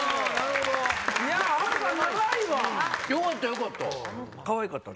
よかったよかった。